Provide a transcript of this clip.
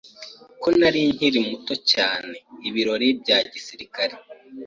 ko nari nkiri na muto cyane, ibirori bya gisirikare